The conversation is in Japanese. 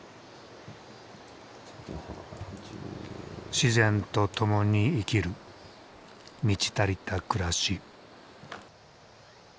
自然と共に生きる満ち足りた暮らし。